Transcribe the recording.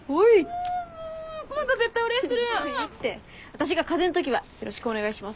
私が風邪のときはよろしくお願いします。